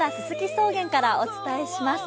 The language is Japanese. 草原からお伝えします。